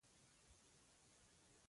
خلک کورونو ته ناهیلي ستانه شول.